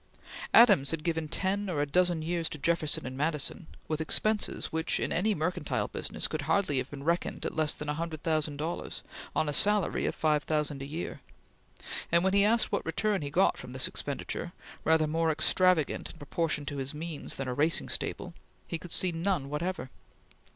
Adams had given ten or a dozen years to Jefferson and Madison, with expenses which, in any mercantile business, could hardly have been reckoned at less than a hundred thousand dollars, on a salary of five thousand a year; and when he asked what return he got from this expenditure, rather more extravagant in proportion to his means than a racing stable, he could see none whatever.